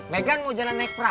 megan mau jalan naik perahu ya